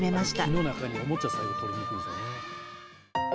木の中におもちゃ最後取りに行くんですよね。